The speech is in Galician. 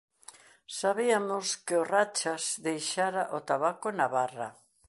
Sabiamos que o Rachas deixara o tabaco na barra.